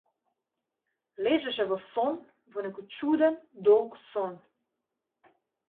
Лежеше во сон, во некој чуден, долг сон.